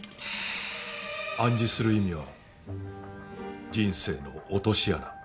暗示する意味は人生の落とし穴。